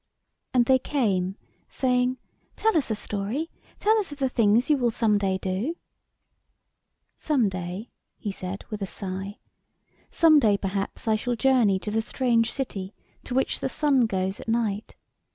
And they came, saying "Tell us a story, tell us of the things you will some day do." "Some day," he said with a sigh, "some day perhaps I shall journey to the strange city to which the sun goes at night.